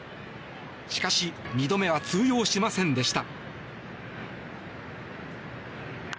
しかし、２度目は通用しませんでした。